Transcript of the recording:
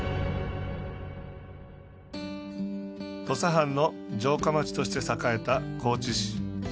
土佐藩の城下町として栄えた高知市。